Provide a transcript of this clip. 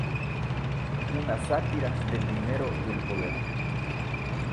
Una sátira del dinero y el poder.